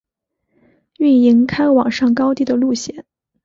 营运开往上高地的路线。